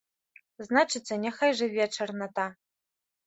Значыцца, няхай жыве чарната!